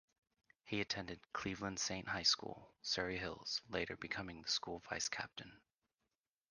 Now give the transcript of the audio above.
He attended Cleveland Saint High School, Surry Hills, later becoming the school vice-captain.